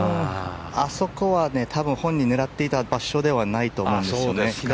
あそこは多分本人が狙っていた場所ではないと思います。